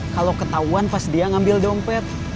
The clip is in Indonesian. kalau ketahuan pas dia ngambil dompet